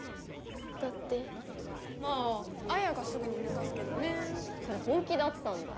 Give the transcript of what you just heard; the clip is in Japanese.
だってまぁ文がすぐに抜かすけどねそれ本気だったんだ？